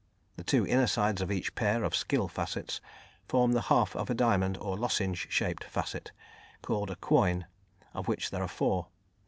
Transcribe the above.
The two inner sides of each pair of skill facets form the half of a diamond or lozenge shaped facet, called a "quoin," of which there are four.